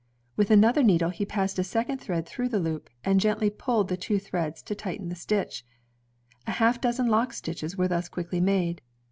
With another needle he passed a second thread through the loop, and gently pulled the two threads to listen the stitch. A half dozen lock stitches were thus quickly made.